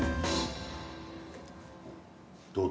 どう？